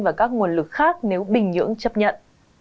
và các nguồn lực khác nếu bình nhưỡng chấp nhận